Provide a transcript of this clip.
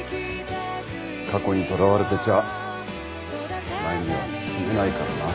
過去に捉われてちゃ前には進めないからな。